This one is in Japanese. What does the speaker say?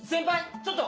ちょっと！